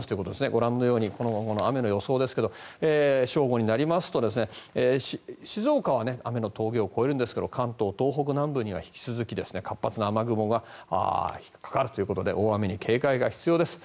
ご覧のように、雨の予想ですが正午になりますと静岡は雨の峠を越えるんですが関東、東北南部には引き続き活発な雨雲がかかるということで大雨に警戒が必要です。